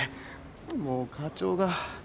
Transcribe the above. もう課長が。